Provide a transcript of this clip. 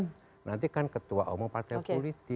nanti kan ketua umum partai politik